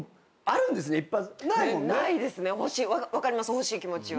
欲しい気持ちは。